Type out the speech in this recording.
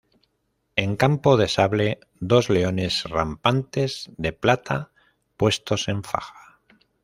En campo de sable, dos leones rampantes, de plata, puestos en faja.